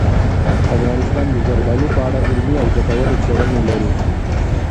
افغانستان د زردالو په اړه علمي او ګټورې څېړنې لري.